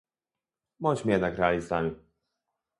Bądźmy jednak realistami